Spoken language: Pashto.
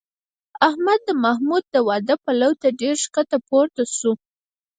احمد د محمود د واده پلو ته ډېر ښکته پورته شو